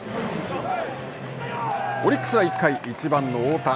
オリックスは１回１番の太田。